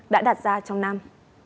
đã đạt ra trong năm